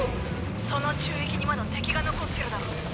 その宙域にまだ敵が残ってるだろ？